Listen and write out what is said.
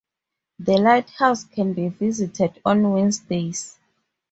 The lighthouse can be visited on Wednesdays.